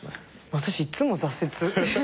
私いつも挫折。